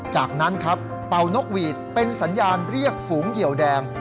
จากนั้นครับเป่านกหวีดเป็นสัญญาณเรียกฝูงเหยียวแดง